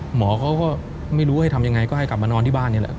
หมอเขาก็ไม่รู้ให้ทำยังไงก็ให้กลับมานอนที่บ้านนี่แหละ